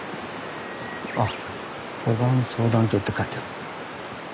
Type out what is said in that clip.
あっ登山相談所って書いてある。